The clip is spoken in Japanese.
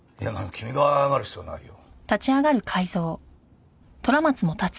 君が謝る必要ないよ。